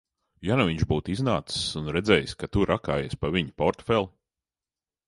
Ja nu viņš būtu iznācis un redzējis, ka tu rakājies pa viņa portfeli?